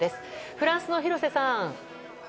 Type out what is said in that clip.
フランスの廣瀬さん。